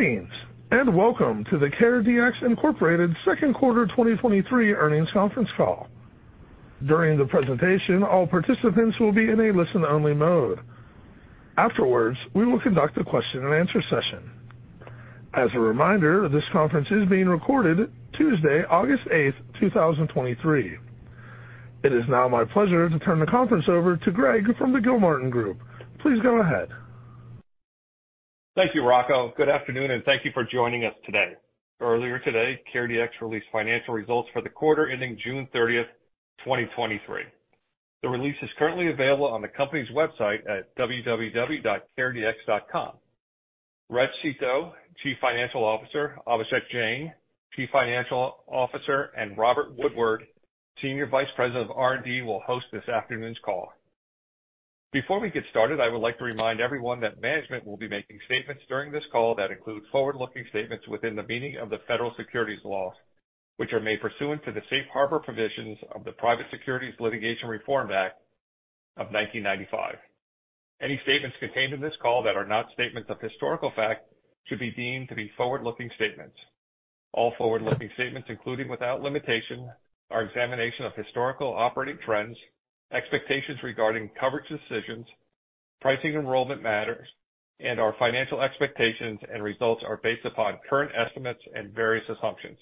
Greetings, and welcome to the CareDx Incorporated second quarter 2023 earnings conference call. During the presentation, all participants will be in a listen-only mode. Afterwards, we will conduct a question and answer session. As a reminder, this conference is being recorded Tuesday, August eighth, 2023. It is now my pleasure to turn the conference over to Greg from the Gilmartin Group. Please go ahead. Thank you, Rocco. Good afternoon, and thank you for joining us today. Earlier today, CareDx released financial results for the quarter ending June 30th, 2023. The release is currently available on the company's website at www.careDx.com. Reg Seeto, Chief Executive Officer, Abhishek Jain, Chief Financial Officer, and Robert Woodward, Senior Vice President of R&D, will host this afternoon's call. Before we get started, I would like to remind everyone that management will be making statements during this call that include forward-looking statements within the meaning of the Federal Securities laws, which are made pursuant to the Safe Harbor provisions of the Private Securities Litigation Reform Act of 1995. Any statements contained in this call that are not statements of historical fact should be deemed to be forward-looking statements. All forward-looking statements, including without limitation, our examination of historical operating trends, expectations regarding coverage decisions, pricing, enrollment matters, and our financial expectations and results are based upon current estimates and various assumptions.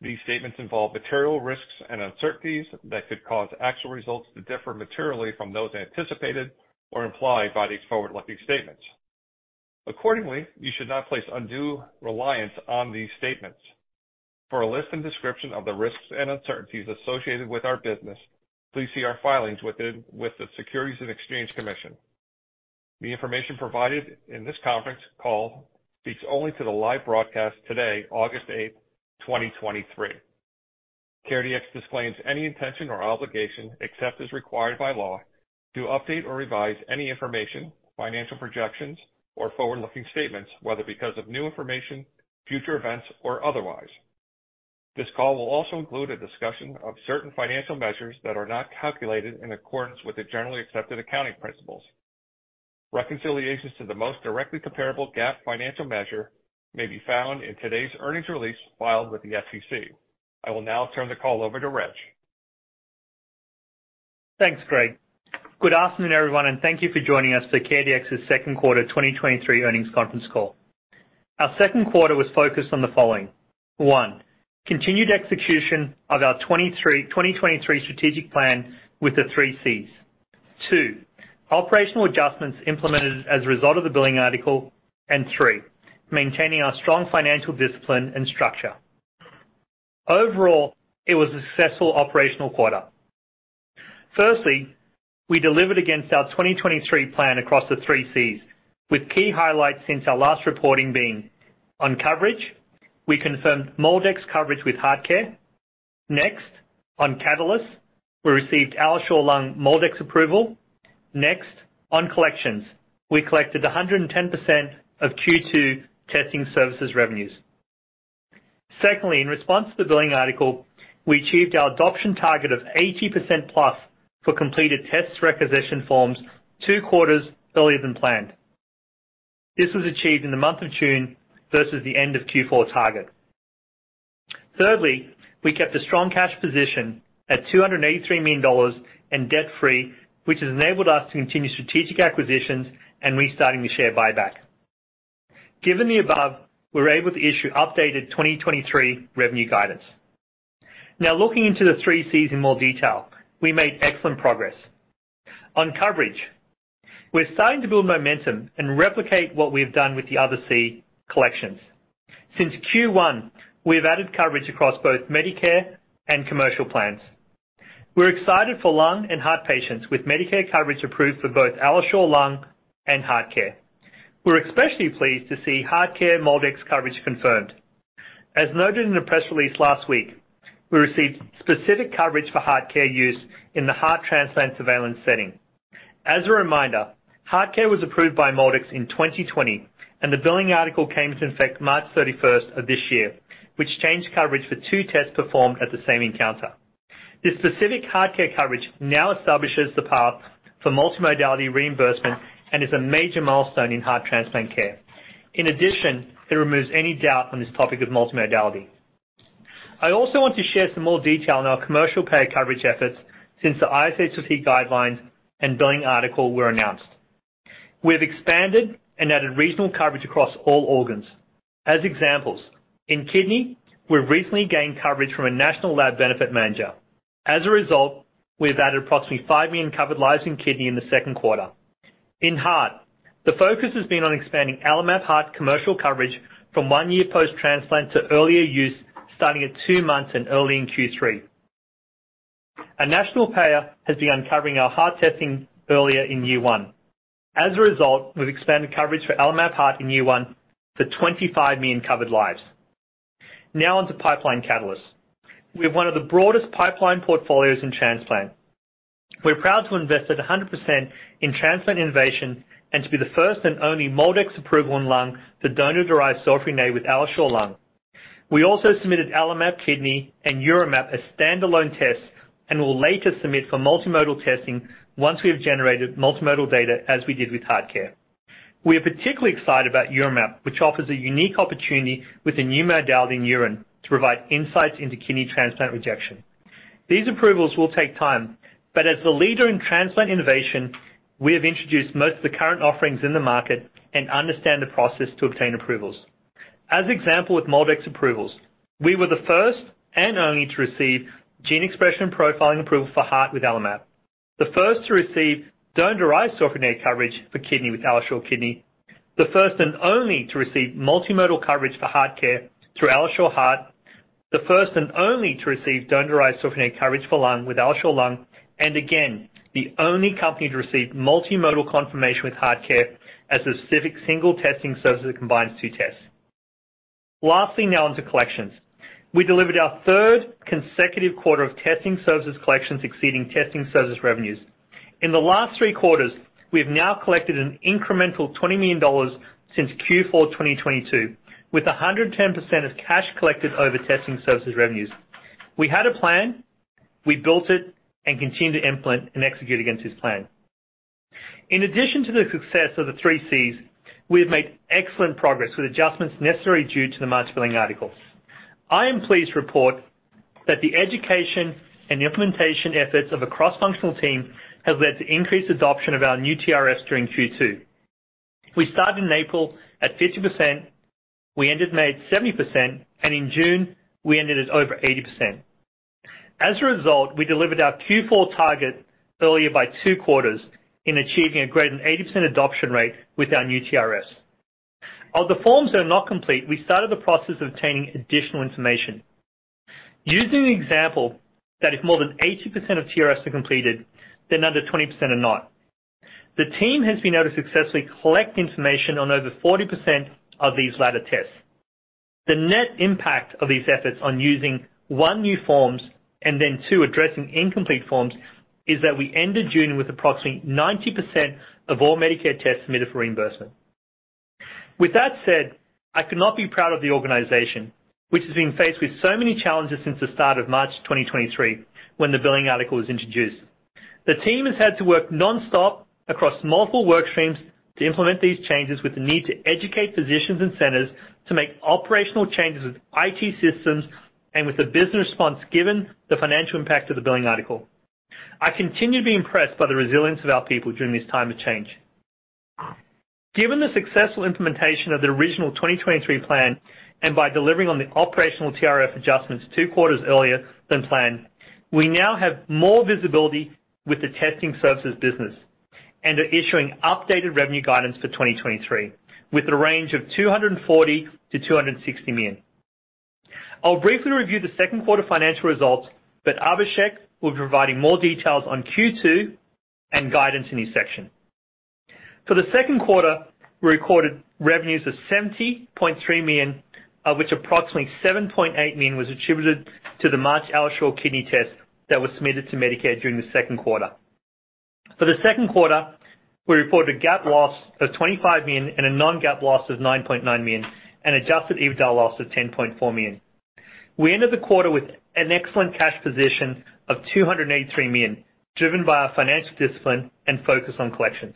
These statements involve material risks and uncertainties that could cause actual results to differ materially from those anticipated or implied by these forward-looking statements. Accordingly, you should not place undue reliance on these statements. For a list and description of the risks and uncertainties associated with our business, please see our filings with the Securities and Exchange Commission. The information provided in this conference call speaks only to the live broadcast today, August 8, 2023. CareDx disclaims any intention or obligation, except as required by law, to update or revise any information, financial projections, or forward-looking statements, whether because of new information, future events, or otherwise. This call will also include a discussion of certain financial measures that are not calculated in accordance with the generally accepted accounting principles. Reconciliations to the most directly comparable GAAP financial measure may be found in today's earnings release filed with the SEC. I will now turn the call over to Reg. Thanks, Greg. Good afternoon, everyone, and thank you for joining us for CareDx's second quarter 2023 earnings conference call. Our second quarter was focused on the following. One, continued execution of our 2023 strategic plan with the 3 Cs. Two, operational adjustments implemented as a result of the billing article. Three, maintaining our strong financial discipline and structure. Overall, it was a successful operational quarter. Firstly, we delivered against our 2023 plan across the 3 Cs, with key highlights since our last reporting being, on coverage, we confirmed MolDX coverage with HeartCare. Next, on catalysts, we received AlloSure Lung MolDX approval. Next, on collections, we collected 110% of Q2 testing services revenues. Secondly, in response to the billing article, we achieved our adoption target of 80%+ for completed test requisition forms two quarters earlier than planned. This was achieved in the month of June versus the end of Q4 target. Thirdly, we kept a strong cash position at $283 million and debt-free, which has enabled us to continue strategic acquisitions and restarting the share buyback. Given the above, we're able to issue updated 2023 revenue guidance. Now, looking into the 3 Cs in more detail, we made excellent progress. On coverage, we're starting to build momentum and replicate what we've done with the other C, collections. Since Q1, we've added coverage across both Medicare and commercial plans. We're excited for lung and heart patients with Medicare coverage approved for both AlloSure Lung and HeartCare. We're especially pleased to see HeartCare MolDX coverage confirmed. As noted in the press release last week, we received specific coverage for HeartCare use in the heart transplant surveillance setting. As a reminder, HeartCare was approved by MolDX in 2020, the billing article came to effect March 31st of this year, which changed coverage for two tests performed at the same encounter. This specific HeartCare coverage now establishes the path for multimodality reimbursement and is a major milestone in heart transplant care. In addition, it removes any doubt on this topic of multimodality. I also want to share some more detail on our commercial pay coverage efforts since the ISHLT guidelines and billing article were announced. We have expanded and added regional coverage across all organs. As examples, in kidney, we've recently gained coverage from a national lab benefit manager. As a result, we've added approximately $5 million covered lives in kidney in the second quarter. In heart, the focus has been on expanding AlloMap Heart commercial coverage from one year post-transplant to earlier use, starting at two months and early in Q3. A national payer has begun covering our heart testing earlier in year one. As a result, we've expanded coverage for AlloMap Heart in year one to 25 million covered lives. Now on to pipeline catalyst. We have one of the broadest pipeline portfolios in transplant. We're proud to invest at 100% in transplant innovation and to be the first and only MolDX approved on lung for donor-derived cell-free DNA with AlloSure Lung. We also submitted AlloMap Kidney and UroMap as standalone tests, and will later submit for multimodal testing once we have generated multimodal data, as we did with HeartCare. We are particularly excited about UroMap, which offers a unique opportunity with a new modality in urine to provide insights into kidney transplant rejection. These approvals will take time, but as the leader in transplant innovation, we have introduced most of the current offerings in the market and understand the process to obtain approvals. As example, with MolDX approvals, we were the first and only to receive gene expression profiling approval for heart with AlloMap. The first to receive donor-derived cell-free DNA coverage for kidney with AlloSure Kidney. The first and only to receive multimodal coverage for HeartCare through AlloSure Heart. The first and only to receive donor-derived cell-free DNA coverage for lung with AlloSure Lung, again, the only company to receive multimodal confirmation with HeartCare as a specific single testing service that combines two tests. Lastly, now on to collections. We delivered our third consecutive quarter of testing services collections exceeding testing services revenues. In the last three quarters, we have now collected an incremental $20 million since Q4 2022, with 110% as cash collected over testing services revenues. We had a plan, we built it, and continue to implement and execute against this plan. In addition to the success of the 3 Cs, we have made excellent progress with adjustments necessary due to the March billing articles. I am pleased to report that the education and implementation efforts of a cross-functional team have led to increased adoption of our new TRS during Q2. We started in April at 50%, we ended May at 70%, and in June, we ended at over 80%. As a result, we delivered our Q4 target earlier by two quarters in achieving a greater than 80% adoption rate with our new TRFs. Although the forms are not complete, we started the process of obtaining additional information. Using the example that if more than 80% of TRFs are completed, then under 20% are not. The team has been able to successfully collect information on over 40% of these latter tests. The net impact of these efforts on using, one, new forms, and then two, addressing incomplete forms, is that we ended June with approximately 90% of all Medicare tests submitted for reimbursement. With that said, I could not be proud of the organization, which has been faced with so many challenges since the start of March 2023, when the billing article was introduced. The team has had to work nonstop across multiple work streams to implement these changes, with the need to educate physicians and centers to make operational changes with IT systems and with a business response, given the financial impact of the billing article. I continue to be impressed by the resilience of our people during this time of change. Given the successful implementation of the original 2023 plan, and by delivering on the operational TRF adjustments two quarters earlier than planned, we now have more visibility with the testing services business and are issuing updated revenue guidance for 2023, with a range of $240 million-$260 million. I'll briefly review the second quarter financial results, but Abhishek will be providing more details on Q2 and guidance in his section. For the second quarter, we recorded revenues of $70.3 million, which approximately $7.8 million was attributed to the March AlloSure Kidney test that was submitted to Medicare during the second quarter. For the second quarter, we reported a GAAP loss of $25 million and a non-GAAP loss of $9.9 million, and adjusted EBITDA loss of $10.4 million. We ended the quarter with an excellent cash position of $283 million, driven by our financial discipline and focus on collections.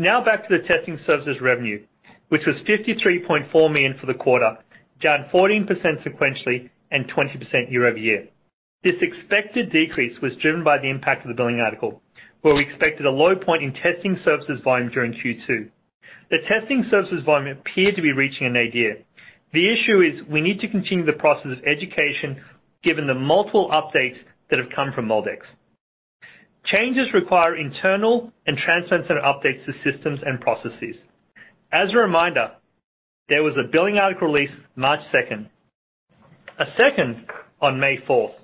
Back to the testing services revenue, which was $53.4 million for the quarter, down 14% sequentially and 20% year-over-year. This expected decrease was driven by the impact of the billing article, where we expected a low point in testing services volume during Q2. The testing services volume appeared to be reaching an idea. The issue is we need to continue the process of education, given the multiple updates that have come from MolDX. Changes require internal and transplant center updates to systems and processes. As a reminder, there was a billing article release March 2nd, a second on May 4th,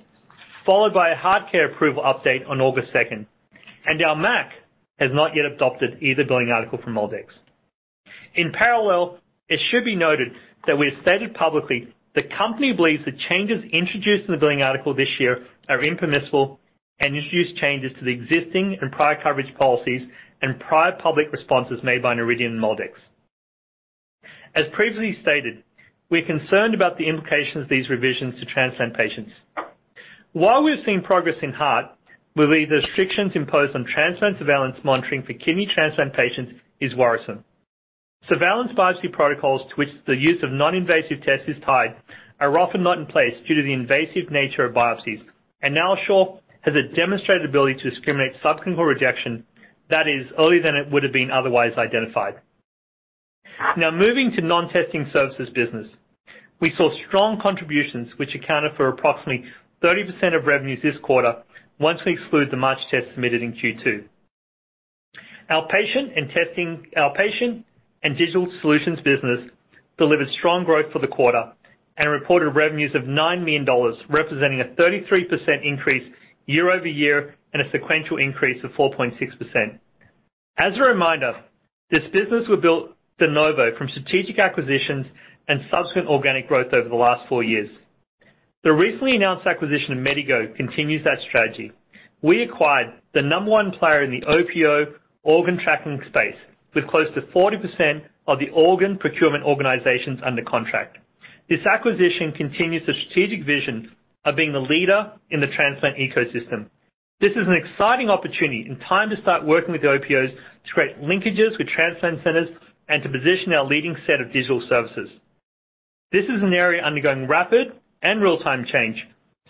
followed by a HeartCare approval update on August 2nd, and our MAC has not yet adopted either billing article from MolDX. In parallel, it should be noted that we have stated publicly the company believes the changes introduced in the billing article this year are impermissible and introduce changes to the existing and prior coverage policies and prior public responses made by Noridian and MolDX. As previously stated, we're concerned about the implications of these revisions to transplant patients. While we've seen progress in heart, we believe the restrictions imposed on transplant surveillance monitoring for kidney transplant patients is worrisome. Surveillance biopsy protocols to which the use of non-invasive tests is tied, are often not in place due to the invasive nature of biopsies. Now, AlloSure has a demonstrated ability to discriminate subsequent rejection that is earlier than it would have been otherwise identified. Now, moving to non-testing services business. We saw strong contributions, which accounted for approximately 30% of revenues this quarter, once we exclude the March test submitted in Q2. Our patient and digital solutions business delivered strong growth for the quarter, and reported revenues of $9 million, representing a 33% increase year-over-year, and a sequential increase of 4.6%. As a reminder, this business was built de novo from strategic acquisitions and subsequent organic growth over the last four years. The recently announced acquisition of MediGO continues that strategy. We acquired the number one player in the OPO organ tracking space, with close to 40% of the organ procurement organizations under contract. This acquisition continues the strategic vision of being the leader in the transplant ecosystem. This is an exciting opportunity and time to start working with the OPOs to create linkages with transplant centers and to position our leading set of digital services. This is an area undergoing rapid and real-time change,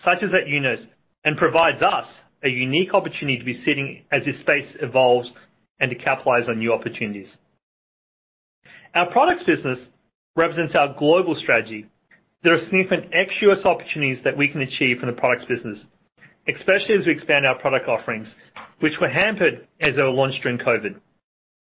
such as at UNOS, and provides us a unique opportunity to be sitting as this space evolves and to capitalize on new opportunities. Our products business represents our global strategy. There are significant ex-US opportunities that we can achieve in the products business, especially as we expand our product offerings, which were hampered as they were launched during COVID.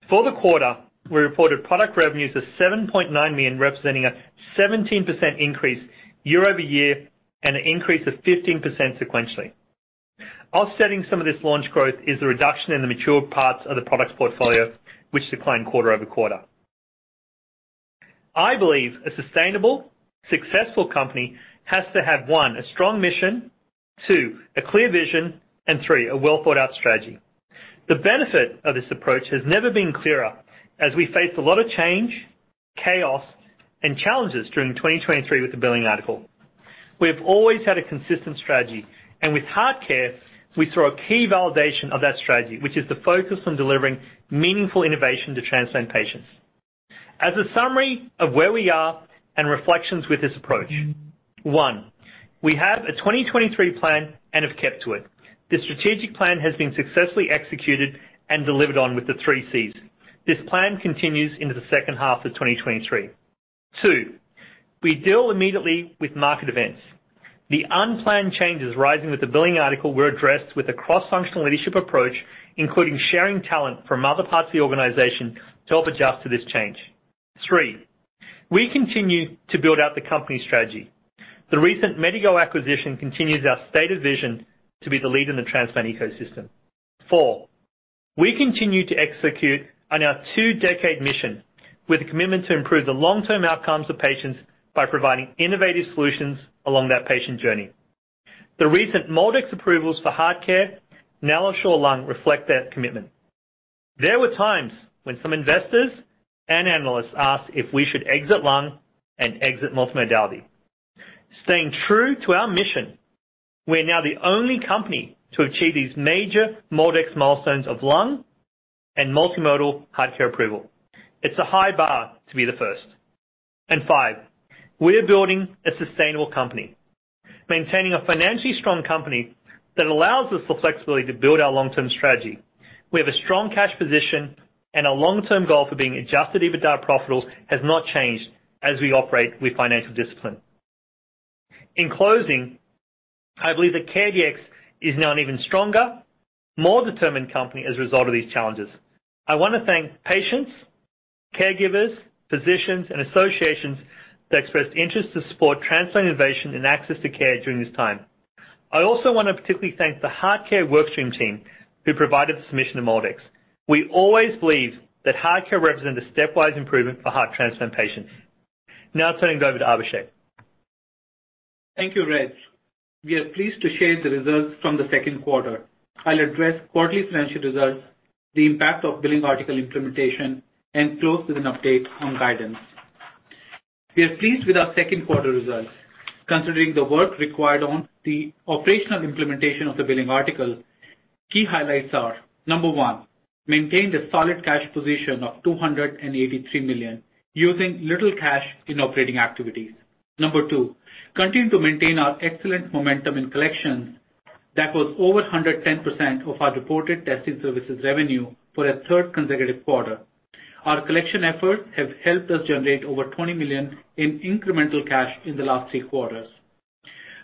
For the quarter, we reported product revenues of $7.9 million, representing a 17% increase year-over-year and an increase of 15% sequentially. Offsetting some of this launch growth is the reduction in the mature parts of the products portfolio, which declined quarter-over-quarter. I believe a sustainable, successful company has to have, one, a strong mission, two, a clear vision, and three, a well-thought-out strategy. The benefit of this approach has never been clearer as we faced a lot of change, chaos, and challenges during 2023 with the billing article. We have always had a consistent strategy, and with HeartCare, we saw a key validation of that strategy, which is the focus on delivering meaningful innovation to transplant patients. As a summary of where we are and reflections with this approach: One, we have a 2023 plan and have kept to it. The strategic plan has been successfully executed and delivered on with the 3 Cs. This plan continues into the second half of 2023. Two, we deal immediately with market events. The unplanned changes rising with the billing article were addressed with a cross-functional leadership approach, including sharing talent from other parts of the organization to help adjust to this change. Three, we continue to build out the company strategy. The recent MediGO acquisition continues our stated vision to be the leader in the transplant ecosystem. Four, we continue to execute on our two-decade mission with a commitment to improve the long-term outcomes of patients by providing innovative solutions along that patient journey. The recent MolDX approvals for HeartCare now ensure Lung reflect that commitment. There were times when some investors and analysts asked if we should exit Lung and exit multimodality. Staying true to our mission, we are now the only company to achieve these major MolDX milestones of lung and multimodal HeartCare approval. It's a high bar to be the first. Five, we are building a sustainable company, maintaining a financially strong company that allows us the flexibility to build our long-term strategy. We have a strong cash position, and our long-term goal for being adjusted EBITDA profitable has not changed as we operate with financial discipline. In closing, I believe that CareDx is now an even stronger, more determined company as a result of these challenges. I want to thank patients, caregivers, physicians, and associations that expressed interest to support transplant innovation and access to care during this time. I also want to particularly thank the HeartCare workstream team, who provided the submission to MolDX. We always believed that HeartCare represented a stepwise improvement for heart transplant patients. Now turning it over to Abhishek. Thank you, Reg. We are pleased to share the results from the second quarter. I'll address quarterly financial results, the impact of billing article implementation, and close with an update on guidance. We are pleased with our second quarter results, considering the work required on the operational implementation of the billing article. Key highlights are: number one, maintained a solid cash position of $283 million, using little cash in operating activities. number two, continued to maintain our excellent momentum in collections. That was over 110% of our reported testing services revenue for a third consecutive quarter. Our collection efforts have helped us generate over $20 million in incremental cash in the last three quarters.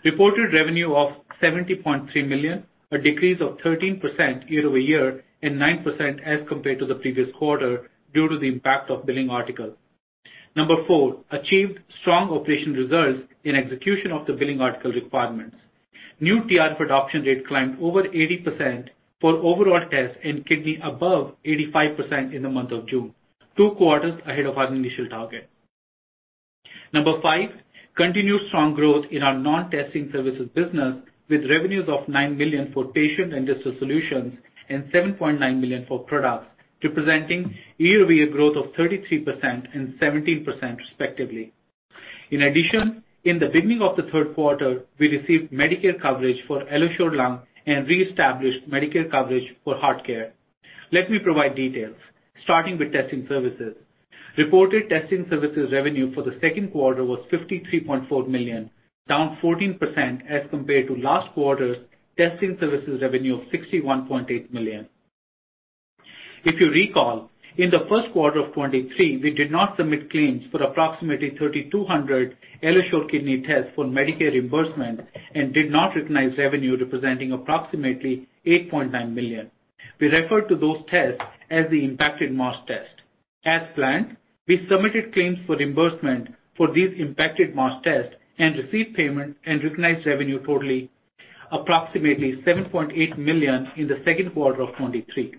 Reported revenue of $70.3 million, a decrease of 13% year-over-year and 9% as compared to the previous quarter, due to the impact of billing article. Four. Achieved strong operational results in execution of the billing article requirements. New TRF adoption rate climbed over 80% for overall tests, and kidney above 85% in the month of June, two quarters ahead of our initial target. Five. Continued strong growth in our non-testing services business, with revenues of $9 million for patient and digital solutions and $7.9 million for products, representing year-over-year growth of 33% and 17% respectively. In addition, in the beginning of the third quarter, we received Medicare coverage for AlloSure Lung and reestablished Medicare coverage for HeartCare. Let me provide details. Starting with testing services. Reported testing services revenue for the second quarter was $53.4 million, down 14% as compared to last quarter's testing services revenue of $61.8 million. If you recall, in the first quarter of 2023, we did not submit claims for approximately 3,200 AlloSure Kidney tests for Medicare reimbursement and did not recognize revenue representing approximately $8.9 million. We referred to those tests as the impacted March test. As planned, we submitted claims for reimbursement for these impacted March tests and received payment and recognized revenue totaling approximately $7.8 million in the second quarter of 2023.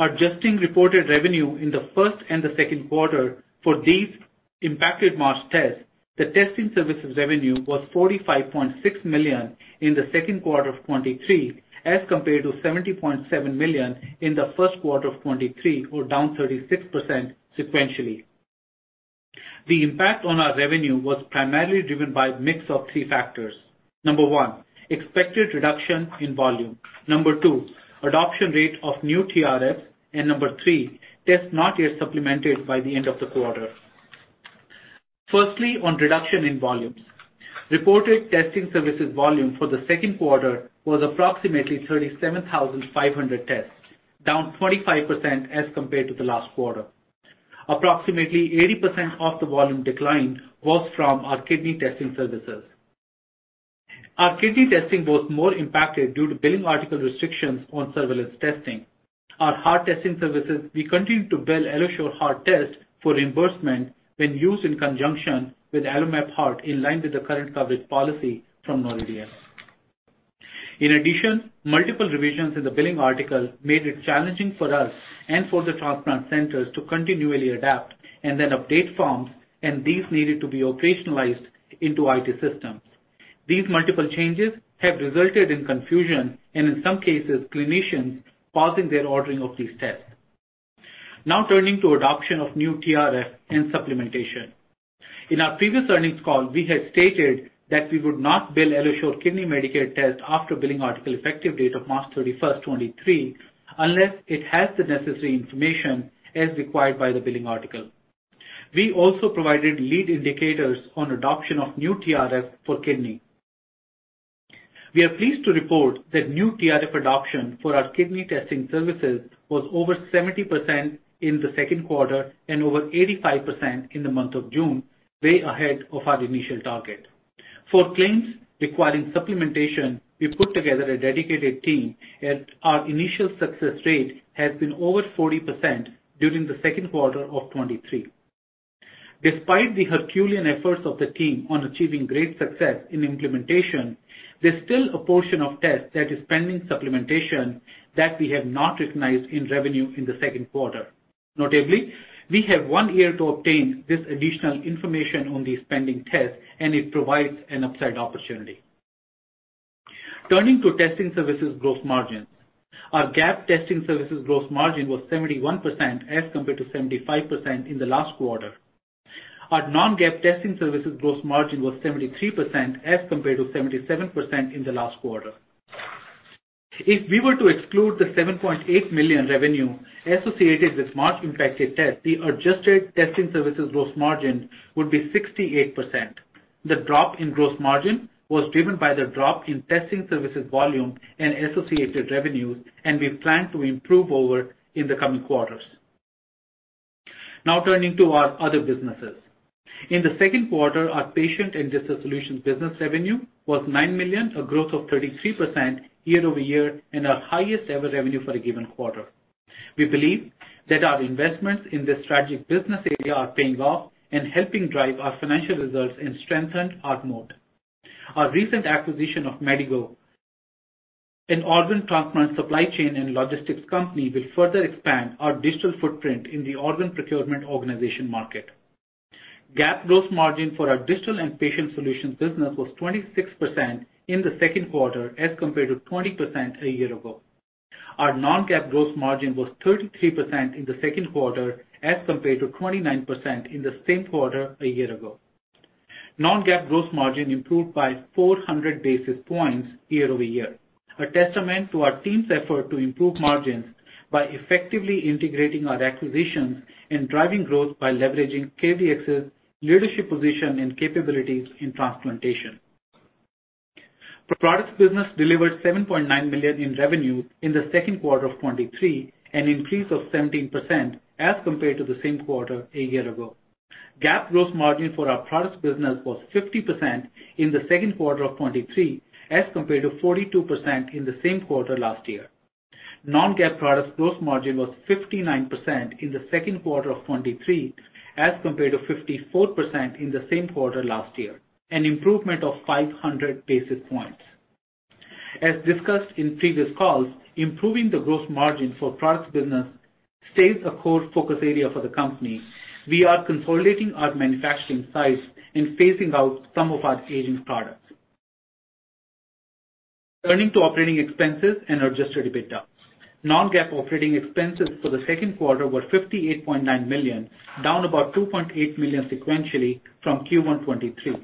Adjusting reported revenue in the first and the second quarter for these impacted March tests, the testing services revenue was $45.6 million in the second quarter of 2023, as compared to $70.7 million in the first quarter of 2023, or down 36% sequentially. The impact on our revenue was primarily driven by a mix of three factors. Number one, expected reduction in volume, Number two, adoption rate of new TRF, and Number three, tests not yet supplemented by the end of the quarter. Firstly, on reduction in volumes. Reported testing services volume for the second quarter was approximately 37,500 tests, down 25% as compared to the last quarter. Approximately 80% of the volume decline was from our kidney testing services. Our kidney testing was more impacted due to billing article restrictions on surveillance testing. Our heart testing services, we continued to bill AlloSure Heart test for reimbursement when used in conjunction with AlloMap Heart, in line with the current coverage policy from Noridian. Multiple revisions in the billing article made it challenging for us and for the transplant centers to continually adapt and then update forms, and these needed to be operationalized into IT systems. These multiple changes have resulted in confusion and in some cases, clinicians pausing their ordering of these tests. Now turning to adoption of new TRF and supplementation. In our previous earnings call, we had stated that we would not bill AlloSure Kidney Medicare test after billing article effective date of March 31, 2023, unless it has the necessary information as required by the billing article. We also provided lead indicators on adoption of new TRF for kidney. We are pleased to report that new TRF adoption for our kidney testing services was over 70% in the second quarter and over 85% in the month of June, way ahead of our initial target. For claims requiring supplementation, we put together a dedicated team, and our initial success rate has been over 40% during the second quarter of 2023. Despite the Herculean efforts of the team on achieving great success in implementation, there's still a portion of tests that is pending supplementation that we have not recognized in revenue in the second quarter. Notably, we have one year to obtain this additional information on these pending tests, and it provides an upside opportunity. Turning to testing services gross margins. Our GAAP testing services gross margin was 71%, as compared to 75% in the last quarter. Our non-GAAP testing services gross margin was 73%, as compared to 77% in the last quarter. If we were to exclude the $7.8 million revenue associated with March impacted test, the adjusted testing services gross margin would be 68%. We plan to improve over in the coming quarters. Now turning to our other businesses. In the second quarter, our patient and digital solutions business revenue was $9 million, a growth of 33% year-over-year and our highest ever revenue for a given quarter. We believe that our investments in this strategic business area are paying off and helping drive our financial results and strengthen our mode. Our recent acquisition of MediGO, an organ transplant supply chain and logistics company, will further expand our digital footprint in the organ procurement organization market. GAAP gross margin for our digital and patient solutions business was 26% in the second quarter, as compared to 20% a year ago. Our non-GAAP gross margin was 33% in the second quarter, as compared to 29% in the same quarter a year ago. Non-GAAP gross margin improved by 400 basis points year-over-year, a testament to our team's effort to improve margins by effectively integrating our acquisitions and driving growth by leveraging CareDx's leadership position and capabilities in transplantation. Products business delivered $7.9 million in revenue in the second quarter of 2023, an increase of 17% as compared to the same quarter a year ago. GAAP gross margin for our products business was 50% in the second quarter of 2023, as compared to 42% in the same quarter last year. Non-GAAP products gross margin was 59% in the second quarter of 2023, as compared to 54% in the same quarter last year, an improvement of 500 basis points. As discussed in previous calls, improving the gross margin for products business stays a core focus area for the company. We are consolidating our manufacturing sites and phasing out some of our aging products. Turning to operating expenses and adjusted EBITDA. Non-GAAP operating expenses for the second quarter were $58.9 million, down about $2.8 million sequentially from Q1 2023.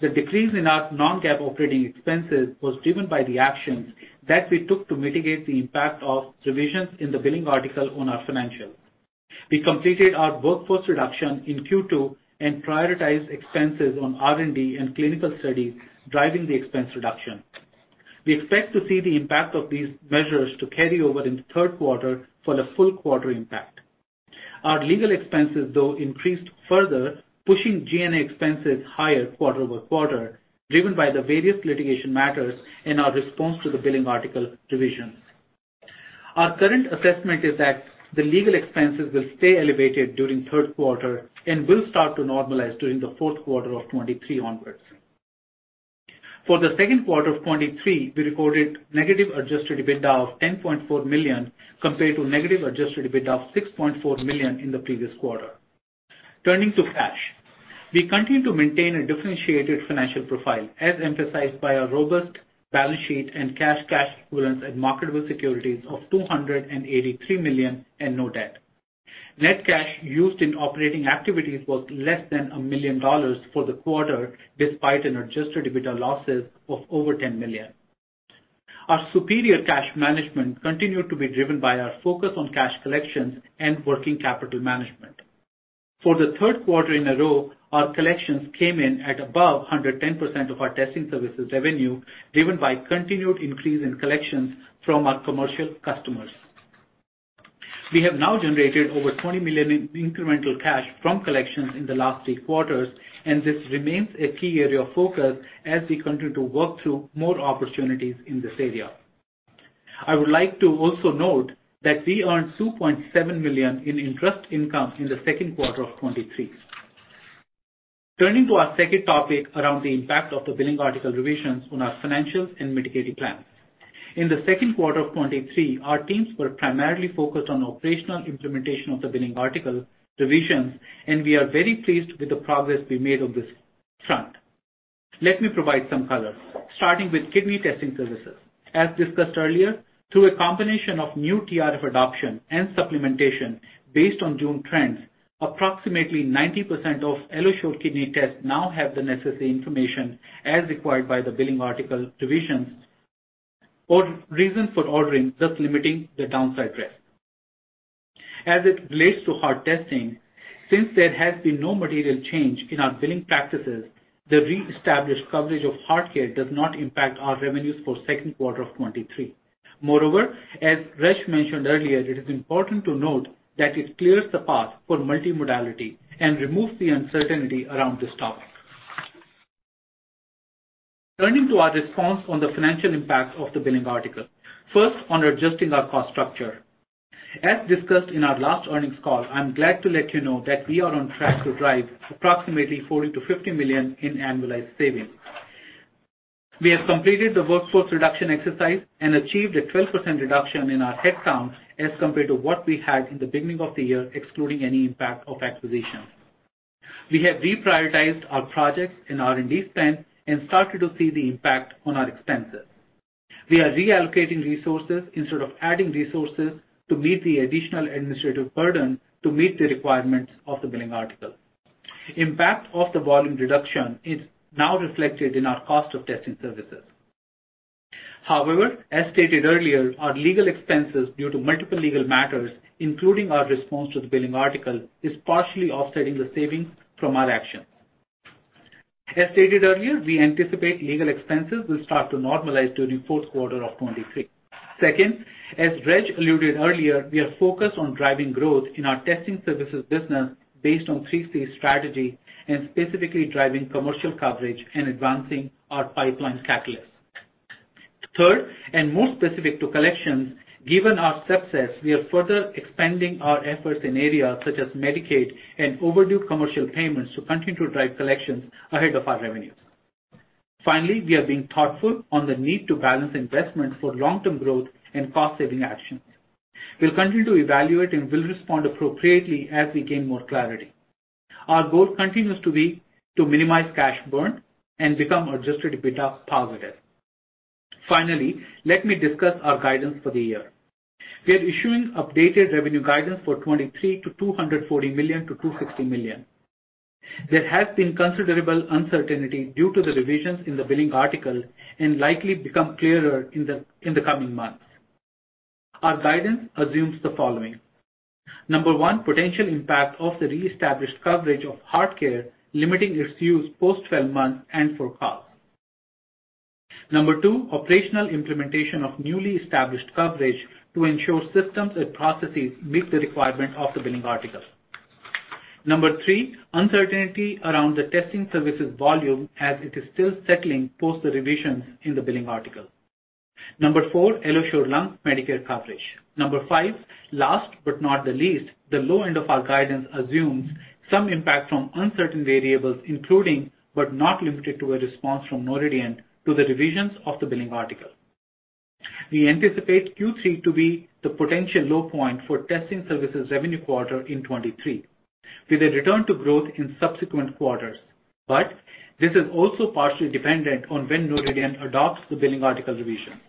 The decrease in our non-GAAP operating expenses was driven by the actions that we took to mitigate the impact of revisions in the billing article on our financials. We completed our workforce reduction in Q2 and prioritized expenses on R&D and clinical studies, driving the expense reduction. We expect to see the impact of these measures to carry over into third quarter for the full quarter impact. Our legal expenses, though, increased further, pushing G&A expenses higher quarter-over-quarter, driven by the various litigation matters and our response to the billing article revisions. Our current assessment is that the legal expenses will stay elevated during third quarter and will start to normalize during the fourth quarter of 2023 onwards. For the second quarter of 2023, we recorded negative adjusted EBITDA of $10.4 million, compared to negative adjusted EBITDA of $6.4 million in the previous quarter. Turning to cash. We continue to maintain a differentiated financial profile, as emphasized by our robust balance sheet and cash, cash equivalents and marketable securities of $283 million and no debt. Net cash used in operating activities was less than $1 million for the quarter, despite an adjusted EBITDA losses of over $10 million. Our superior cash management continued to be driven by our focus on cash collections and working capital management. For the third quarter in a row, our collections came in at above 110% of our testing services revenue, driven by continued increase in collections from our commercial customers. This remains a key area of focus as we continue to work through more opportunities in this area. I would like to also note that we earned $2.7 million in interest income in the second quarter of 2023. Turning to our second topic around the impact of the billing article revisions on our financials and Medicare plan. In the second quarter of 2023, our teams were primarily focused on operational implementation of the billing article revisions, we are very pleased with the progress we made on this front. Let me provide some color, starting with kidney testing services. As discussed earlier, through a combination of new TRF adoption and supplementation based on June trends, approximately 90% of AlloSure kidney tests now have the necessary information as required by the billing article revisions, or reason for ordering, thus limiting the downside risk. As it relates to heart testing, since there has been no material change in our billing practices, the reestablished coverage of HeartCare does not impact our revenues for second quarter of 2023. As Reg mentioned earlier, it is important to note that it clears the path for multimodality and removes the uncertainty around this topic. Turning to our response on the financial impact of the billing article. First, on adjusting our cost structure. As discussed in our last earnings call, I'm glad to let you know that we are on track to drive approximately $40 million-$50 million in annualized savings. We have completed the workforce reduction exercise and achieved a 12% reduction in our headcount as compared to what we had in the beginning of the year, excluding any impact of acquisitions. We have reprioritized our projects and R&D spend and started to see the impact on our expenses. We are reallocating resources instead of adding resources to meet the additional administrative burden to meet the requirements of the billing article. Impact of the volume reduction is now reflected in our cost of testing services. As stated earlier, our legal expenses due to multiple legal matters, including our response to the billing article, is partially offsetting the savings from our actions. As stated earlier, we anticipate legal expenses will start to normalize during fourth quarter of 2023. Second, as Reg alluded earlier, we are focused on driving growth in our testing services business based on three C strategy, and specifically driving commercial coverage and advancing our pipeline catalysts. Third, and more specific to collections, given our success, we are further expanding our efforts in areas such as Medicare and overdue commercial payments to continue to drive collections ahead of our revenues. Finally, we are being thoughtful on the need to balance investment for long-term growth and cost-saving actions. We'll continue to evaluate and will respond appropriately as we gain more clarity. Our goal continues to be to minimize cash burn and become adjusted EBITDA positive. Finally, let me discuss our guidance for the year. We are issuing updated revenue guidance for 2023 to $240 million-$260 million. There has been considerable uncertainty due to the revisions in the billing article and likely become clearer in the coming months. Our guidance assumes the following: number 1, potential impact of the reestablished coverage of HeartCare, limiting its use post-12 months and forecast. Number two, operational implementation of newly established coverage to ensure systems and processes meet the requirement of the billing article. Number three, uncertainty around the testing services volume as it is still settling post the revisions in the billing article. Number four, AlloSure Lung Medicare coverage. Number five, last but not the least, the low end of our guidance assumes some impact from uncertain variables, including but not limited to, a response from Noridian to the revisions of the billing article. We anticipate Q3 to be the potential low point for testing services revenue quarter in 2023, with a return to growth in subsequent quarters. This is also partially dependent on when Noridian adopts the billing article revisions.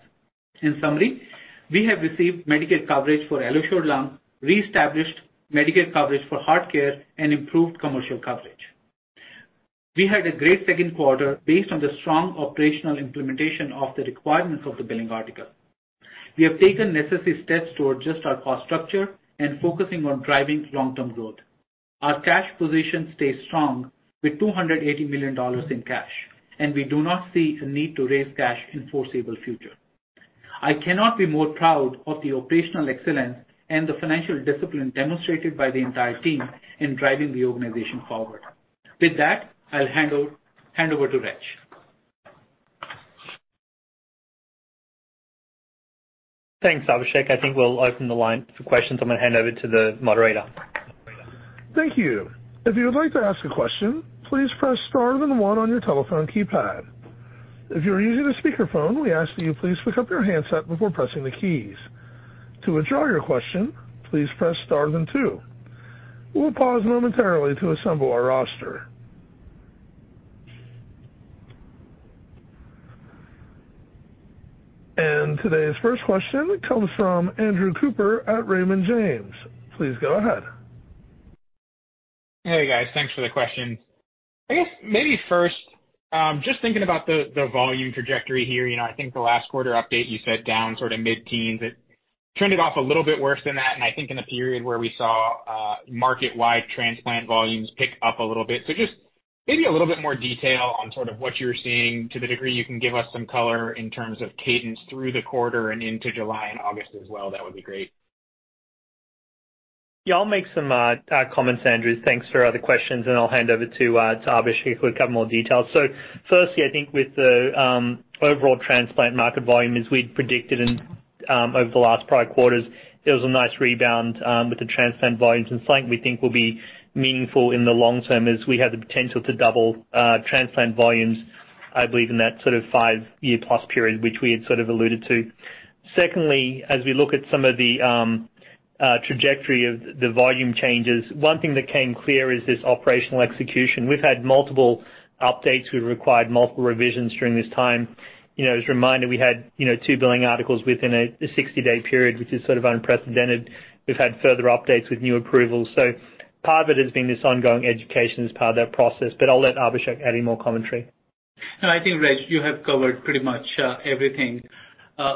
In summary, we have received Medicare coverage for AlloSure Lung, reestablished Medicare coverage for HeartCare, and improved commercial coverage. We had a great second quarter based on the strong operational implementation of the requirements of the billing article. We have taken necessary steps to adjust our cost structure and focusing on driving long-term growth. Our cash position stays strong with $280 million in cash. We do not see a need to raise cash in foreseeable future. I cannot be more proud of the operational excellence and the financial discipline demonstrated by the entire team in driving the organization forward. With that, I'll hand over to Reg. Thanks, Abhishek. I think we'll open the line for questions. I'm going to hand over to the moderator. Thank you. If you would like to ask a question, please press star then one on your telephone keypad. If you're using a speakerphone, we ask that you please pick up your handset before pressing the keys. To withdraw your question, please press star then two. We'll pause momentarily to assemble our roster. Today's first question comes from Andrew Cooper at Raymond James. Please go ahead. Hey, guys. Thanks for the question. I guess maybe first, just thinking about the, the volume tRegectory here. You know, I think the last quarter update you said down sort of mid-teens. It turned it off a little bit worse than that, and I think in a period where we saw, market-wide transplant volumes pick up a little bit. Just maybe a little bit more detail on sort of what you're seeing to the degree you can give us some color in terms of cadence through the quarter and into July and August as well, that would be great. Yeah, I'll make some comments, Andrew. Thanks for other questions, and I'll hand over to Abhishek for a couple more details. Firstly, I think with the overall transplant market volume, as we'd predicted and over the last prior quarters, there was a nice rebound with the transplant volumes. Something we think will be meaningful in the long term is we have the potential to double transplant volumes, I believe, in that sort of five-year plus period, which we had sort of alluded to. Secondly, as we look at some of the tRegectory of the volume changes, one thing that came clear is this operational execution. We've had multiple updates. We've required multiple revisions during this time. You know, as a reminder, we had, you know, two billing articles within a 60-day period, which is sort of unprecedented. We've had further updates with new approvals. Part of it has been this ongoing education as part of that process, but I'll let Abhishek add any more commentary. No, I think, Reg, you have covered pretty much everything.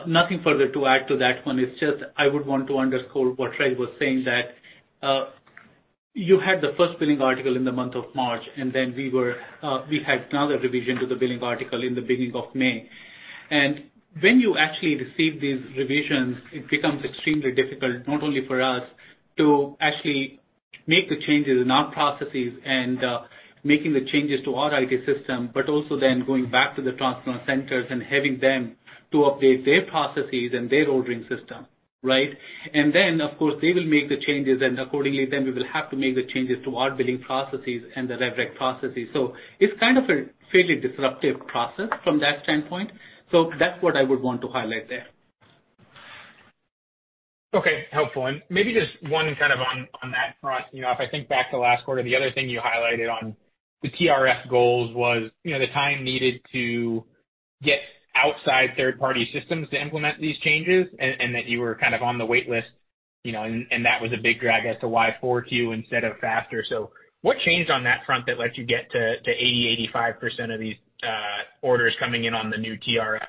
Nothing further to add to that one. It's just I would want to underscore what Reg was saying, that you had the 1st billing article in the month of March, and then we were, we had another revision to the billing article in the beginning of May. When you actually receive these revisions, it becomes extremely difficult, not only for us to actually make the changes in our processes and making the changes to our IT system, but also then going back to the transplant centers and having them to update their processes and their ordering system, right? Then, of course, they will make the changes, and accordingly, then we will have to make the changes to our billing processes and the revenue recognition processes. It's kind of a fairly disruptive process from that standpoint. That's what I would want to highlight there. Okay, helpful. Maybe just one kind of on, on that front. You know, if I think back to last quarter, the other thing you highlighted on the TRF goals was, you know, the time needed to get outside third-party systems to implement these changes and, and that you were kind of on the wait list, you know, and, and that was a big drag as to why four to you instead of faster. What changed on that front that let you get to, to 80%-85% of these, orders coming in on the new TRF?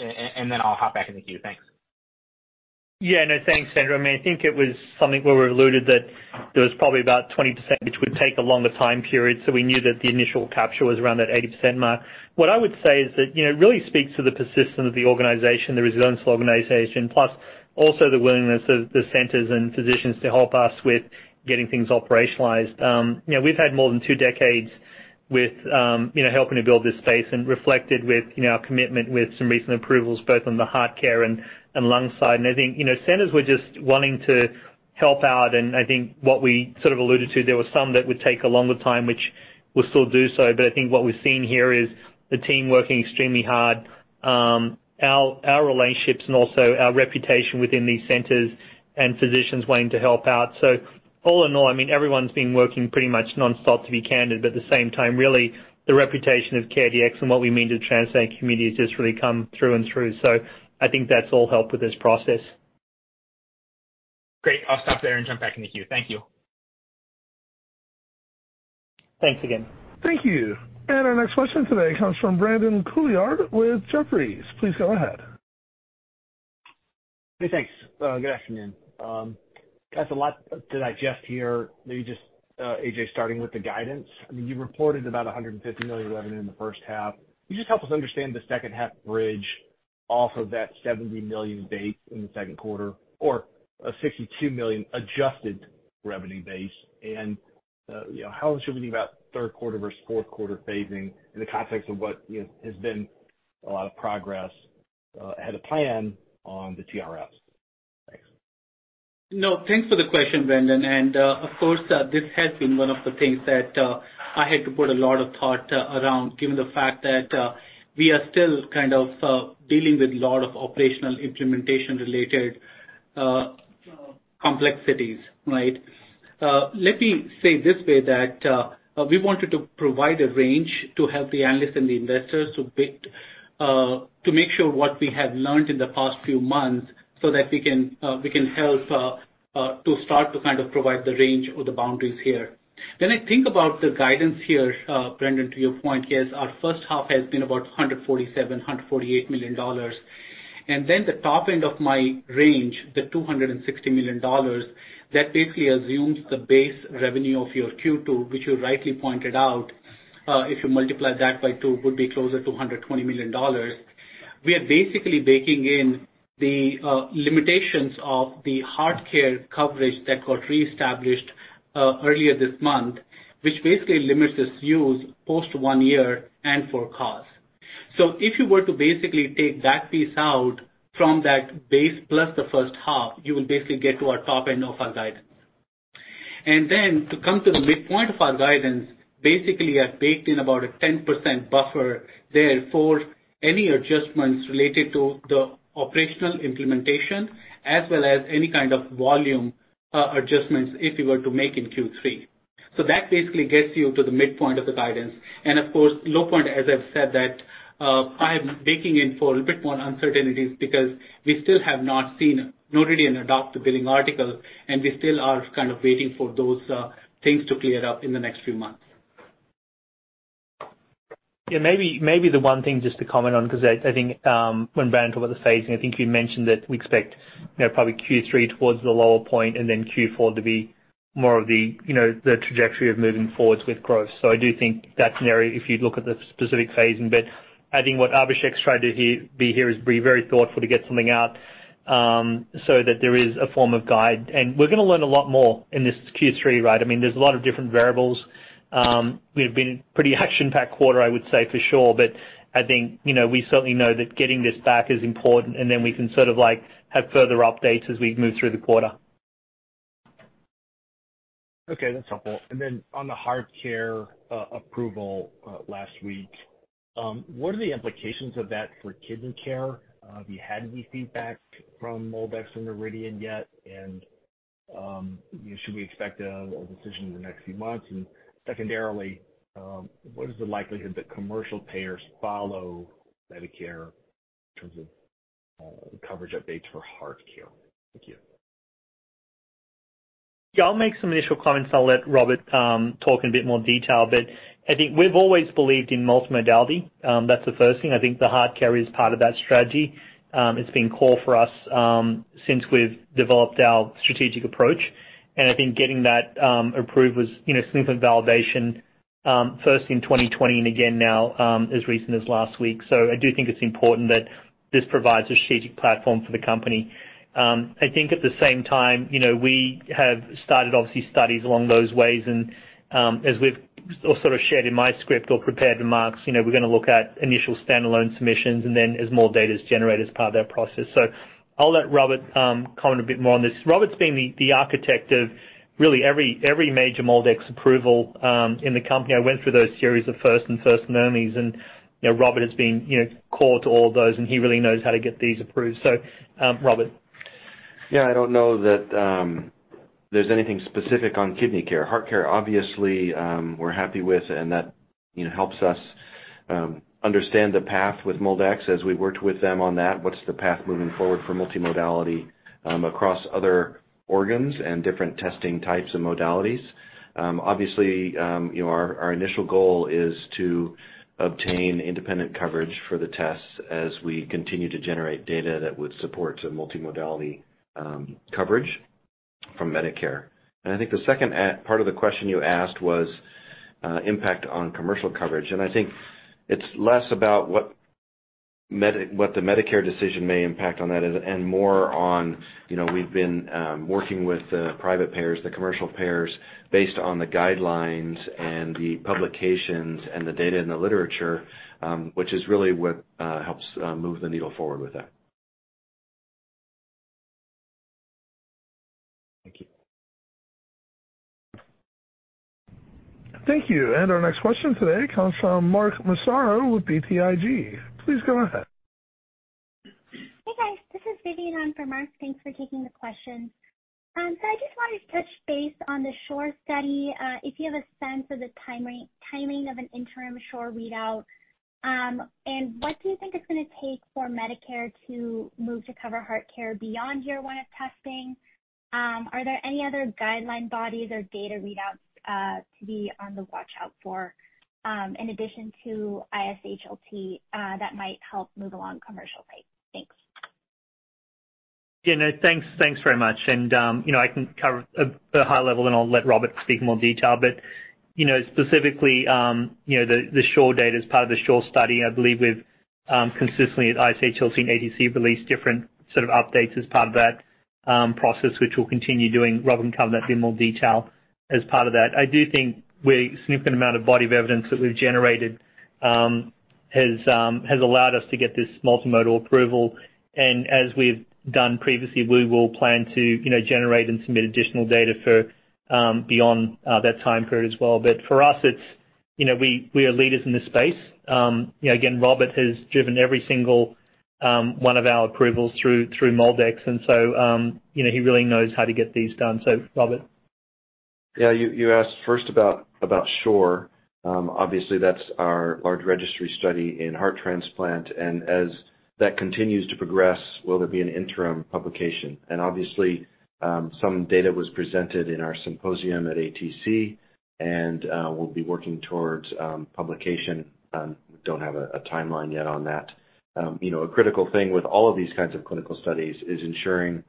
Then I'll hop back in the queue. Thanks. Yeah. No, thanks, Andrew. I mean, I think it was something where we alluded that there was probably about 20%, which would take a longer time period, so we knew that the initial capture was around that 80% mark. What I would say is that, you know, it really speaks to the persistence of the organization, the resilience of the organization, plus also the willingness of the centers and physicians to help us with getting things operationalized. You know, we've had more than two decades with, you know, helping to build this space and reflected with, you know, our commitment with some recent approvals, both on the HeartCare and, and lung side. I think, you know, centers were just wanting to help out, and I think what we sort of alluded to, there were some that would take a longer time, which will still do so. I think what we're seeing here is the team working extremely hard, our relationships and also our reputation within these centers, and physicians wanting to help out. All in all, I mean, everyone's been working pretty much nonstop, to be candid, but at the same time, really, the reputation of CareDx and what we mean to the transplant community has just really come through and through. I think that's all helped with this process. Great. I'll stop there and jump back in the queue. Thank you. Thanks again. Thank you. Our next question today comes from Brandon Couillard with Jefferies. Please go ahead. Hey, thanks. Good afternoon. That's a lot to digest here. Maybe just AJ, starting with the guidance. I mean, you reported about $150 million in revenue in the first half. Can you just help us understand the second half bridge off of that $70 million base in the second quarter or a $62 million adjusted revenue base? How should we think about third quarter versus fourth quarter phasing in the context of what, you know, has been a lot of progress at a plan on the TRFs? Thanks. No, thanks for the question, Brandon. Of course, this has been one of the things that I had to put a lot of thought around, given the fact that we are still kind of dealing with a lot of operational implementation related complexities, right? Let me say this way, that we wanted to provide a range to help the analysts and the investors to build, to make sure what we have learned in the past few months so that we can, we can help, to start to kind of provide the range or the boundaries here. When I think about the guidance here, Brandon, to your point, is our first half has been about $147 million-$148 million. The top end of my range, the $260 million, that basically assumes the base revenue of your Q2, which you rightly pointed out, if you multiply that by two, would be closer to $120 million. We are basically baking in the limitations of the HeartCare coverage that got reestablished earlier this month, which basically limits this use post one year and for cause. If you were to basically take that piece out from that base plus the first half, you will basically get to our top end of our guide. To come to the midpoint of our guidance, basically, I've baked in about a 10% buffer there for any adjustments related to the operational implementation, as well as any kind of volume adjustments if we were to make in Q3. That basically gets you to the midpoint of the guidance. Of course, low point, as I've said, that I'm baking in for a bit more uncertainties because we still have not seen Noridian adopt the billing article, and we still are kind of waiting for those things to clear up in the next few months. Yeah, maybe, maybe the one thing just to comment on, because I, I think, when Brian talked about the phasing, I think you mentioned that we expect, you know, probably Q3 towards the lower point and then Q4 to be more of the, you know, the tRegectory of moving forwards with growth. I do think that's an area if you look at the specific phasing. I think what Abhishek's tried to be here is be very thoughtful to get something out, so that there is a form of guide. We're gonna learn a lot more in this Q3, right? I mean, there's a lot of different variables. We've been pretty action-packed quarter, I would say for sure, but I think, you know, we certainly know that getting this back is important, and then we can sort of, like, have further updates as we move through the quarter. Okay, that's helpful. On the HeartCare approval last week, what are the implications of that for kidney care? Have you had any feedback from MolDX and Noridian yet? Should we expect a decision in the next few months? Secondarily, what is the likelihood that commercial payers follow Medicare in terms of coverage updates for HeartCare? Thank you. Yeah, I'll make some initial comments, then I'll let Robert talk in a bit more detail. I think we've always believed in multimodality, that's the first thing. I think the HeartCare is part of that strategy. It's been core for us, since we've developed our strategic approach, and I think getting that approved was, you know, significant validation, first in 2020 and again now, as recent as last week. I do think it's important that this provides a strategic platform for the company. I think at the same time, you know, we have started, obviously, studies along those ways and, as we've also sort of shared in my script or prepared remarks, you know, we're gonna look at initial standalone submissions and then as more data is generated as part of that process. I'll let Robert comment a bit more on this. Robert's been the architect of really every major MolDX approval in the company. I went through those series of first and first nomies, and, you know, Robert has been, you know, core to all of those, and he really knows how to get these approved. Robert. Yeah, I don't know that there's anything specific on kidney care. HeartCare, obviously, we're happy with, and that, you know, helps us understand the path with MolDX as we worked with them on that. What's the path moving forward for multimodality across other organs and different testing types and modalities? Obviously, you know, our, our initial goal is to obtain independent coverage for the tests as we continue to generate data that would support a multimodality coverage from Medicare. I think the second part of the question you asked was impact on commercial coverage. I think it's less about what the Medicare decision may impact on that and, more on, you know, we've been working with the private payers, the commercial payers, based on the guidelines and the publications and the data in the literature, which is really what helps move the needle forward with that. Thank you. Thank you. Our next question today comes from Mark Massaro with BTIG. Please go ahead. Hey, guys, this is Vivian on for Mark. Thanks for taking the question. So I just wanted to touch base on the SHORE study, if you have a sense of the timing, timing of an interim SHORE readout, and what do you think it's gonna take for Medicare to move to cover HeartCare beyond year one of testing? Are there any other guideline bodies or data readouts, to be on the watch out for, in addition to ISHLT, that might help move along commercial pace? Thanks. Yeah, no, thanks, thanks very much. You know, I can cover a high level, then I'll let Robert speak in more detail. You know, specifically, you know, the SHORE data is part of the SHORE study. I believe we've consistently at ISHLT and ATC, released different sort of updates as part of that process, which we'll continue doing. Robert will cover that in more detail as part of that. I do think we're significant amount of body of evidence that we've generated has allowed us to get this multimodal approval, as we've done previously, we will plan to, you know, generate and submit additional data for beyond that time period as well. For us, it's, you know, we, we are leaders in this space. You know, again, Robert has driven every single, one of our approvals through, through MolDX, and so, you know, he really knows how to get these done. Robert. Yeah, you, you asked first about, about SHORE. Obviously, that's our large registry study in heart transplant, and as that continues to progress, will there be an interim publication? Obviously, some data was presented in our symposium at ATC, and we'll be working towards publication. Don't have a, a timeline yet on that. You know, a critical thing with all of these kinds of clinical studies is ensuring,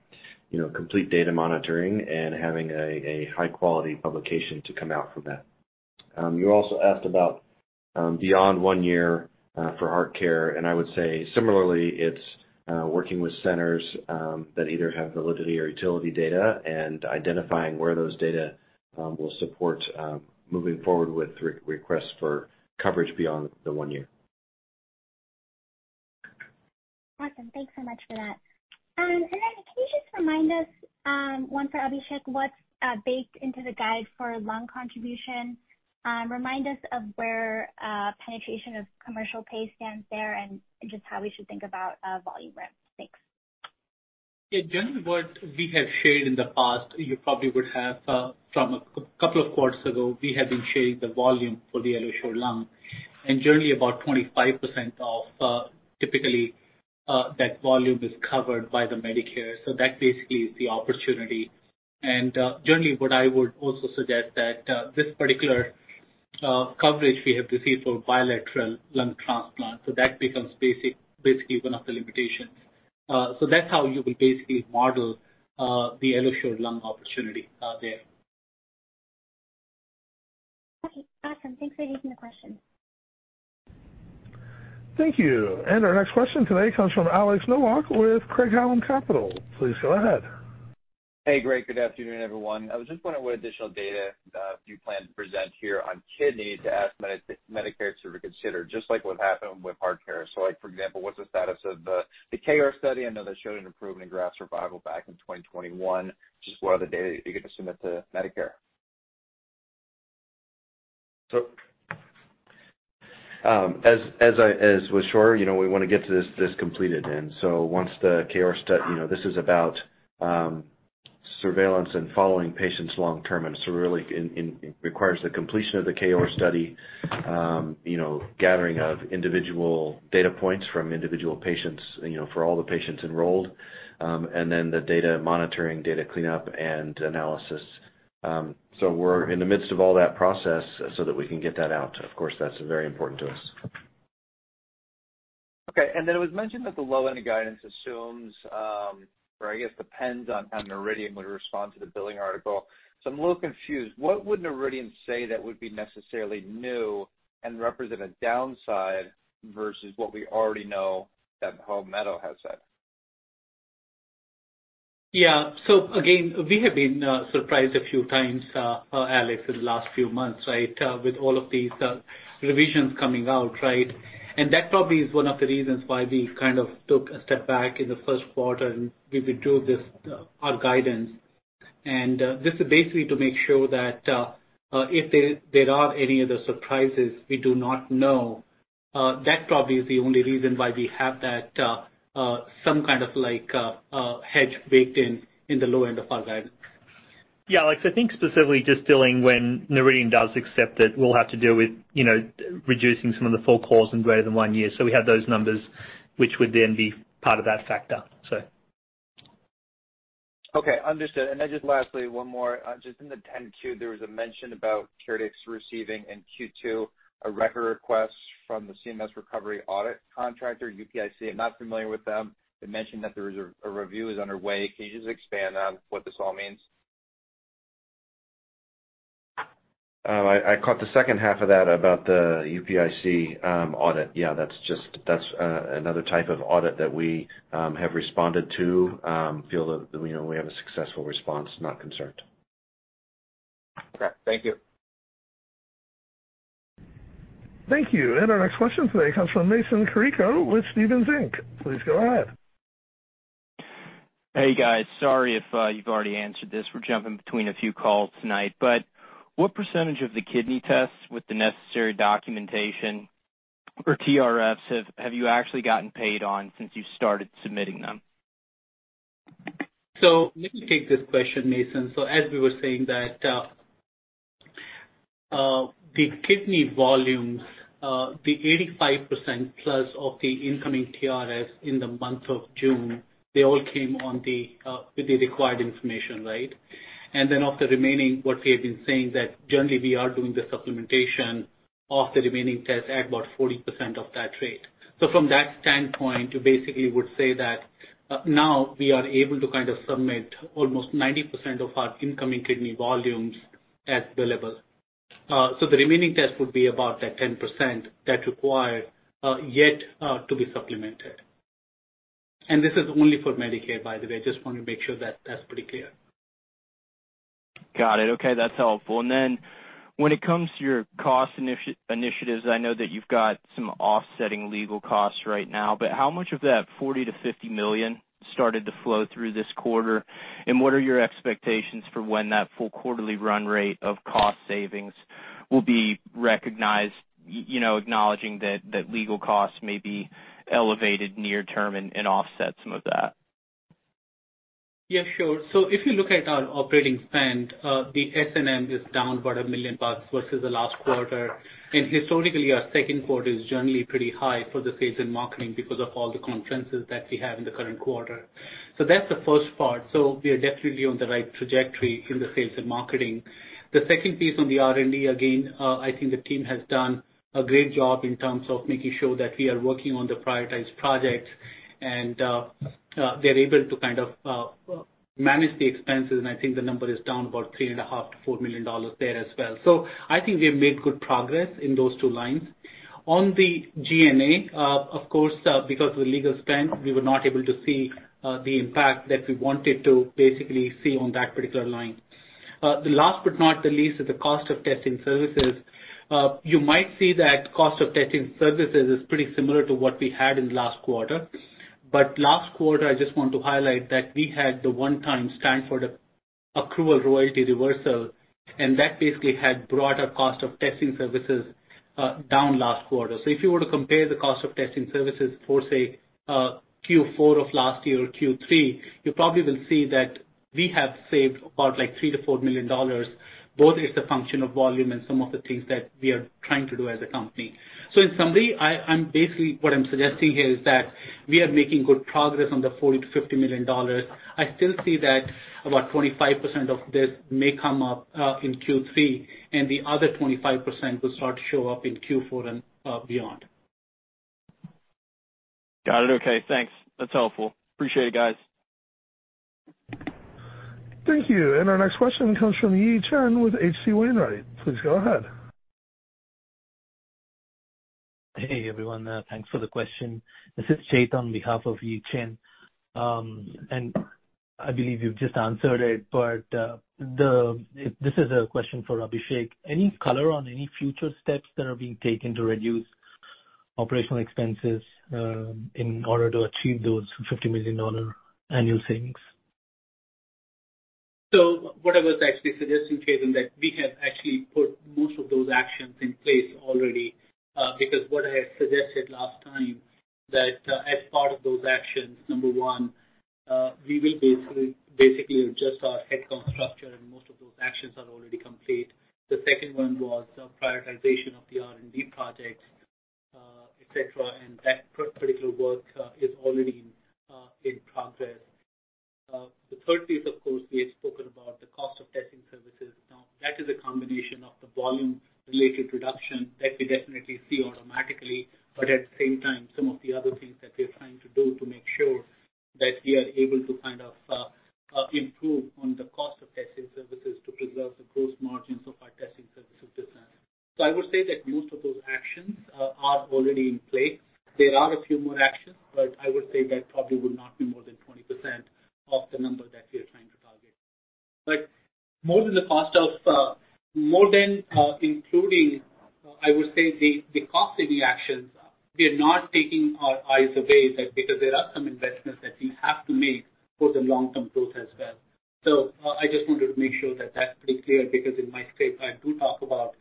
you know, complete data monitoring and having a, a high-quality publication to come out from that. You also asked about beyond one year for HeartCare, and I would say similarly, it's working with centers that either have validity or utility data and identifying where those data will support moving forward with re- requests for coverage beyond the one year. Awesome. Thanks so much for that. Can you just remind us, one for Abhishek, what's baked into the guide for lung contribution? Remind us of where penetration of commercial pay stands there, and, and just how we should think about volume ramp. Thanks. Yeah, generally, what we have shared in the past, you probably would have, from a couple of quarters ago, we have been sharing the volume for the AlloSure Lung. Generally, about 25% of, typically, that volume is covered by the Medicare, so that basically is the opportunity. Generally, what I would also suggest that this particular coverage we have received for bilateral lung transplant, so that becomes basically one of the limitations. That's how you will basically model the AlloSure Lung opportunity there. Okay, awesome. Thanks for taking the question. Thank you. Our next question today comes from Alex Nowak with Craig-Hallum Capital. Please go ahead. Hey, great. Good afternoon, everyone. I was just wondering what additional data do you plan to present here on kidney to ask Medicare to reconsider, just like what happened with HeartCare? Like, for example, what's the status of the KOAR study? I know that showed an improvement in graft survival back in 2021. Just what other data are you going to submit to Medicare? As with SHORE, you know, we want to get this, this completed. Once the KOAR stu- You know, this is about, surveillance and following patients long term, and so really, it, it, it requires the completion of the KOAR study, you know, gathering of individual data points from individual patients, you know, for all the patients enrolled, and then the data monitoring, data cleanup, and analysis. We're in the midst of all that process so that we can get that out. Of course, that's very important to us. It was mentioned that the low-end guidance assumes, or I guess, depends on how Noridian would respond to the billing article. I'm a little confused. What would Noridian say that would be necessarily new and represent a downside versus what we already know that Palmetto has said? Yeah. Again, we have been surprised a few times, Alex, in the last few months, right, with all of these revisions coming out, right? That probably is one of the reasons why we kind of took a step back in the first quarter, and we withdrew this our guidance. This is basically to make sure that, if there, there are any other surprises we do not know, that probably is the only reason why we have that some kind of like hedge baked in in the low end of our guide. Yeah, Alex, I think specifically just dealing when Noridian does accept it, we'll have to deal with, you know, reducing some of the full cause in greater than one year. We have those numbers, which would then be part of that factor, so. Okay, understood. Just lastly, one more. Just in the 10-Q, there was a mention about CareDx receiving in Q2, a record request from the CMS recovery audit contractor, UPIC. I'm not familiar with them. They mentioned that there is a review underway. Can you just expand on what this all means? I, I caught the second half of that about the UPIC audit. Yeah, that's another type of audit that we have responded to. Feel that, you know, we have a successful response, not concerned. Okay, thank you. Thank you. Our next question today comes from Mason Carrico with Stephens Inc. Please go ahead. Hey, guys. Sorry if you've already answered this. We're jumping between a few calls tonight. What percentage of the kidney tests with the necessary documentation or TRFs have you actually gotten paid on since you started submitting them? Let me take this question, Mason. As we were saying, that the kidney volumes, the 85% plus of the incoming TRFs in the month of June, they all came on the with the required information, right? Then of the remaining, what we have been saying, that generally we are doing the supplementation of the remaining tests at about 40% of that rate. From that standpoint, you basically would say that now we are able to kind of submit almost 90% of our incoming kidney volumes as billable. The remaining test would be about that 10% that require yet to be supplemented. This is only for Medicare, by the way. Just want to make sure that that's pretty clear. Got it. Okay, that's helpful. When it comes to your cost initiatives, I know that you've got some offsetting legal costs right now, but how much of that $40 million-$50 million started to flow through this quarter? What are your expectations for when that full quarterly run rate of cost savings will be recognized, you know, acknowledging that, that legal costs may be elevated near term and, and offset some of that? Yeah, sure. If you look at our operating spend, the S&M is down about $1 million versus the last quarter. Historically, our second quarter is generally pretty high for the sales and marketing because of all the conferences that we have in the current quarter. That's the first part. We are definitely on the right tRegectory in the sales and marketing. The second piece on the R&D, again, I think the team has done a great job in terms of making sure that we are working on the prioritized projects, and they're able to kind of manage the expenses, and I think the number is down about $3.5 million-$4 million there as well. I think we've made good progress in those two lines. On the G&A, of course, because of the legal spend, we were not able to see the impact that we wanted to basically see on that particular line. The last but not the least is the cost of testing services. You might see that cost of testing services is pretty similar to what we had in the last quarter. Last quarter, I just want to highlight that we had the one-time Stanford accrual royalty reversal, and that basically had brought our cost of testing services down last quarter. If you were to compare the cost of testing services for, say, Q4 of last year or Q3, you probably will see that we have saved about, like, $3 million-$4 million. Both is the function of volume and some of the things that we are trying to do as a company. In summary, I'm basically, what I'm suggesting here is that we are making good progress on the $40 million-$50 million. I still see that about 25% of this may come up in Q3, and the other 25% will start to show up in Q4 and beyond. Got it. Okay, thanks. That's helpful. Appreciate it, guys. Thank you. Our next question comes from Yi Chen with H.C. Wainwright. Please go ahead. Hey, everyone, thanks for the question. This is Chet on behalf of Yi Chen. I believe you've just answered it, but this is a question for Abhishek. Any color on any future steps that are being taken to reduce operational expenses in order to achieve those $50 million annual savings? What I was actually suggesting, Chet, in that we have actually put most of those actions in place already. Because what I had suggested last time, that, as part of those actions, number one, we will basically, basically adjust our head count structure, and most of those actions are already complete. The second one was the prioritization of the R&D projects, et cetera, and that particular work is already in progress. The third piece, of course, we have spoken about the cost of testing services. That is a combination of the volume-related reduction that we definitely see automatically, but at the same time, some of the other things that we're trying to do to make sure that we are able to kind of improve on the cost of testing services to preserve the gross margins of our testing services design. I would say that most of those actions are already in place. There are a few more actions, but I would say that probably would not be more than 20% of the number that we are trying to target. More than the cost of more than including, I would say, the, the cost of the actions, we are not taking our eyes away, because there are some investments that we have to make for the long-term growth as well. I just wanted to make sure that that's pretty clear, because in my script, I do talk about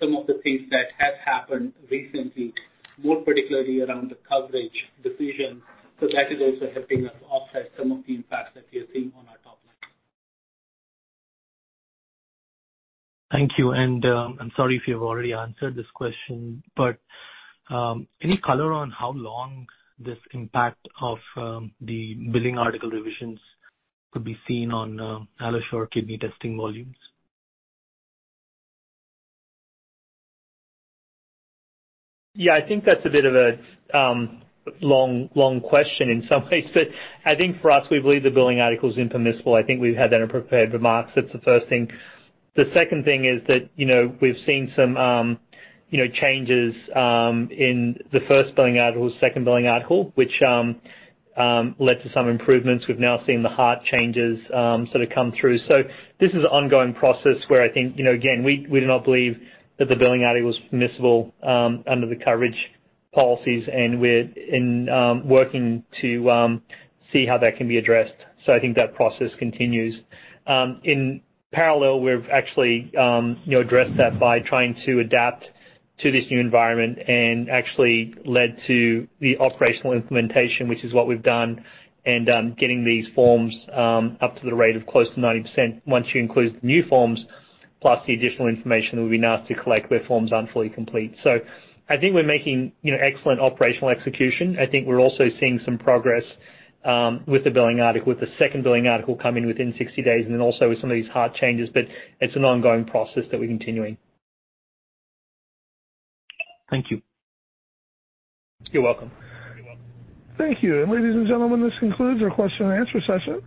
some of the things that have happened recently, more particularly around the coverage decision. That is also helping us offset some of the impacts that we are seeing on our top line. Thank you. I'm sorry if you've already answered this question, but any color on how long this impact of the billing article revisions could be seen on AlloSure Kidney testing volumes? Yeah, I think that's a bit of a long, long question in some ways. I think for us, we believe the billing article is impermissible. I think we've had that in prepared remarks. That's the first thing. The second thing is that, you know, we've seen some, you know, changes in the first billing article, second billing article, which led to some improvements. We've now seen the heart changes sort of come through. This is an ongoing process where I think, you know, again, we, we do not believe that the billing article was permissible under the coverage policies, and we're in working to see how that can be addressed. I think that process continues. In parallel, we've actually, you know, addressed that by trying to adapt to this new environment and actually led to the operational implementation, which is what we've done, and getting these forms up to the rate of close to 90% once you include the new forms, plus the additional information that we've been asked to collect, where forms aren't fully complete. I think we're making, you know, excellent operational execution. I think we're also seeing some progress with the billing article, with the second billing article coming within 60 days, and then also with some of these heart changes, but it's an ongoing process that we're continuing. Thank you. You're welcome. You're welcome. Thank you. Ladies and gentlemen, this concludes our question and answer session.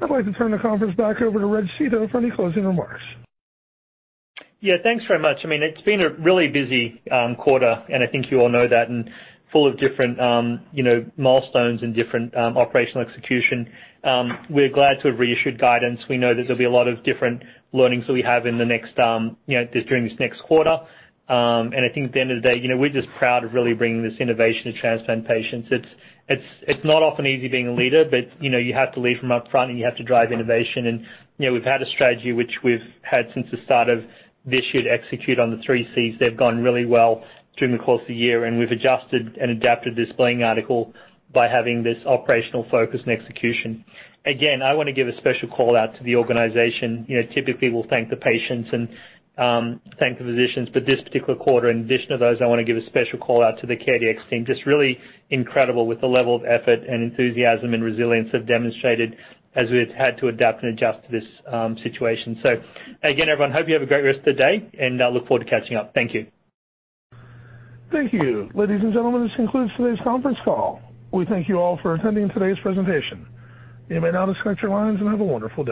I'd like to turn the conference back over to Reg Seeto for any closing remarks. Yeah, thanks very much. I mean, it's been a really busy quarter, and I think you all know that, and full of different, you know, milestones and different operational execution. We're glad to have reissued guidance. We know there's going to be a lot of different learnings that we have in the next, you know, just during this next quarter. And I think at the end of the day, you know, we're just proud of really bringing this innovation to transplant patients. It's, it's, it's not often easy being a leader, but, you know, you have to lead from up front, and you have to drive innovation. And, you know, we've had a strategy which we've had since the start of this year to execute on the 3 Cs. They've gone really well through the course of the year, and we've adjusted and adapted this billing article by having this operational focus and execution. Again, I want to give a special call out to the organization. You know, typically, we'll thank the patients and thank the physicians. This particular quarter, in addition to those, I want to give a special call out to the CareDx team. Just really incredible with the level of effort and enthusiasm and resilience they've demonstrated as we've had to adapt and adjust to this situation. Again, everyone, hope you have a great rest of the day, and I look forward to catching up. Thank you. Thank you. Ladies and gentlemen, this concludes today's conference call. We thank you all for attending today's presentation. You may now disconnect your lines and have a wonderful day.